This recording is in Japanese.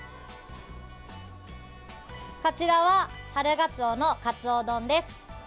こちらは春ガツオのカツオ丼です。